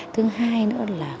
thứ hai nữa là